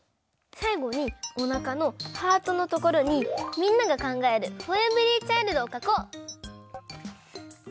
さいごにおなかのハートのところにみんながかんがえるｆｏｒｅｖｅｒｙｃｈｉｌｄをかこう！